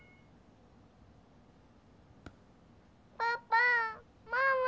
パパママ。